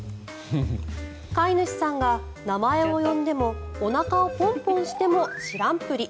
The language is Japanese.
飼い主さんが名前を呼んでもおなかをポンポンしても知らんぷり。